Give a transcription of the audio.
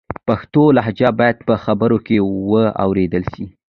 پښتو لهجه باید په خبرو کې و اورېدل سي.